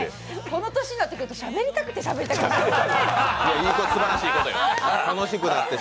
この年になってくるとしゃべりたくて、しゃべりたくて。